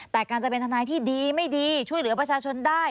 แต่การจะเป็นทนายที่ดีไม่ดีช่วยเหลือประชาชนได้